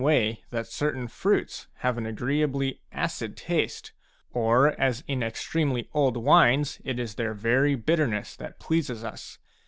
way that certain fruits have an agreeably acid taste, or as in extremely old wines it is their very bitterness that pleases us.